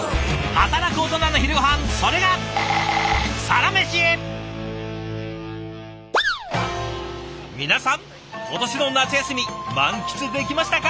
働くオトナの昼ごはんそれが皆さん今年の夏休み満喫できましたか？